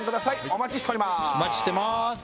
お待ちしてまーす